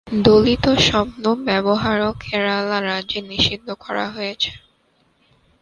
দলিত শব্দ ব্যবহারও কেরালা রাজ্যে নিষিদ্ধ করা হয়েছে।